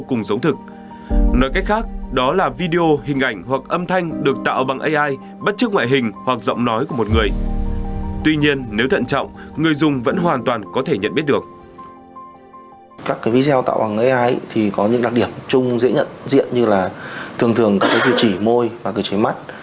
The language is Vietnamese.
các video tạo bằng ai thì có những đặc điểm chung dễ nhận diện như là thường thường các cái cửa chỉ môi và cửa chỉ mắt